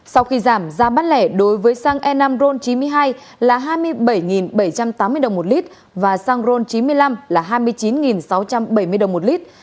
sau khi giảm giá bán lẻ đối với xăng e năm ron chín mươi hai là hai mươi bảy bảy trăm tám mươi đồng một lít và xăng ron chín mươi năm là hai mươi chín sáu trăm bảy mươi đồng một lít